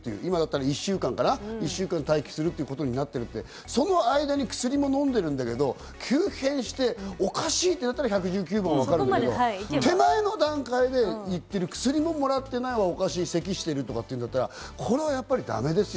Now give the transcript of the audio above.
今だったら１週間かな、待機するということになって、その間に薬も飲んでるんだけれども、急変しておかしいとなったら、１１９番はわかるけれども、手前の段階で行っている、薬ももらっていない、咳しているというんだったら、これはやっぱりだめですよ。